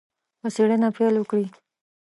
په څېړنه پیل وکړي.